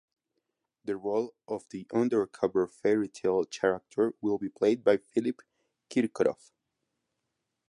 The role of the undercover fairy tale character will be played by Philipp Kirkorov.